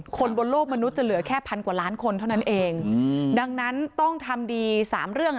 คนบนโลกมนุษย์จะเหลือแค่พันกว่าล้านคนเท่านั้นเองอืมดังนั้นต้องทำดีสามเรื่องอ่ะ